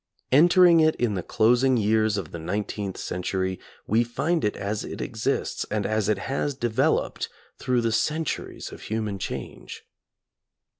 Entering it in the closing years of the Nineteenth century, we find it as it exists and as it has de veloped through the centuries of human change.